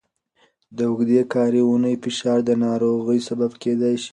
د اوږدې کاري اونۍ فشار د ناروغۍ سبب کېدای شي.